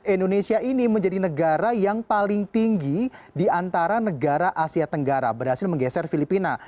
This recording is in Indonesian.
indonesia ini menjadi negara yang paling tinggi di antara negara asia tenggara berhasil menggeser filipina